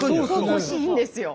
惜しいんですよ。